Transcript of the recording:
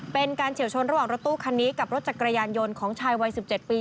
เฉียวชนระหว่างรถตู้คันนี้กับรถจักรยานยนต์ของชายวัย๑๗ปี